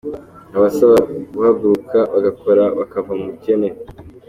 Abasaba guhaguruka bagakora bakava mu bukene.